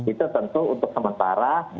itu tentu untuk sementara